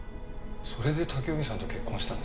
それで武臣さんと結婚したんですね。